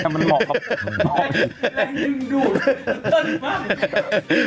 แรงดึงดูดเต็มมาก